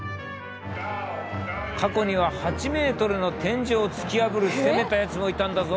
過去には８ｍの天井を突き破る攻めたやつもいたんだぞ！